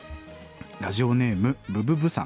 ラジオネームブブブさん。